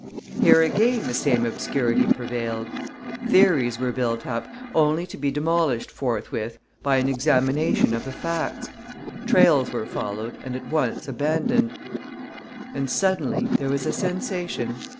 Here again the same obscurity prevailed. Theories were built up, only to be demolished forthwith by an examination of the facts. Trails were followed and at once abandoned. And suddenly there was a sensation.